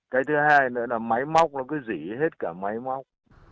cái thứ hai nữa là máy móc nó cứ dỉ hết cả máy móc